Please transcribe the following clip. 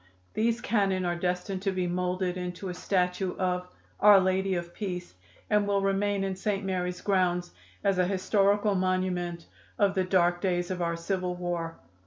These cannon are destined to be moulded into a statue of 'Our Lady of Peace,' and will remain in St. Mary's grounds as an historical monument of the dark days of our civil war."